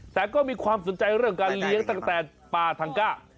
แต่ก็มีความสนใจเรื่องการเลี้ยงตั้งแต่ปลาทังก้า